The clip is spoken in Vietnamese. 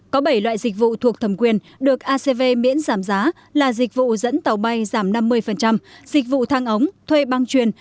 có bảy loại dịch vụ thuộc thẩm quyền được acv miễn giảm giá là dịch vụ dẫn tàu bay giảm năm mươi dịch vụ thang ống thuê băng truyền